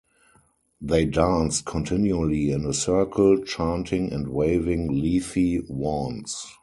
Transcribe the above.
They danced continually in a circle, chanting and waving leafy wands.